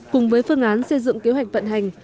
cùng với phương án xây dựng kế hoạch vận hành